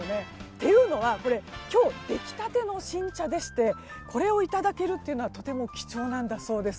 というのは、今日出来立ての新茶でしてこれをいただけるというのはとても貴重なんだそうです。